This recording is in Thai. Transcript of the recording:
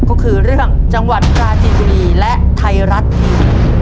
ก็คือเรื่องจังหวัดปราจีนบุรีและไทยรัฐทีวี